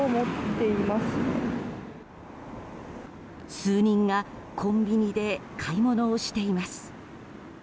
数人がコンビニで買い物をしています。